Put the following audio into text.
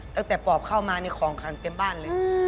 ตั้งแต่ปอบข้าวมาของขังเต็มบ้านเลย